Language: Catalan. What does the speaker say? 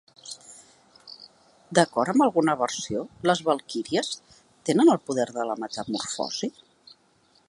D'acord amb alguna versió, les valquíries tenien el poder de la metamorfosi?